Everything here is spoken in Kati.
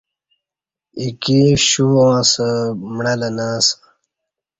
ایکے شووا اسہ معلہ نہ اسہ